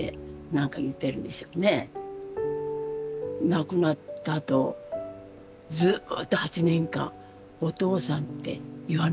亡くなったあとずっと８年間お父さんって言わないです。